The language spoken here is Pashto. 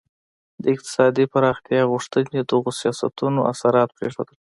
د اقتصادي پراختیايي غوښتنې دغو سیاستونو اثرات پرېښودل.